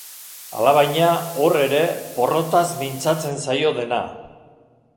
Alabaina, hor ere, porrotaz mintzatzen zaio dena.